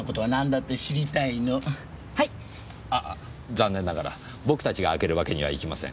残念ながら僕たちが開けるわけにはいきません。